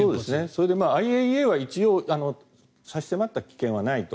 それでＩＡＥＡは一応差し迫った危険はないと。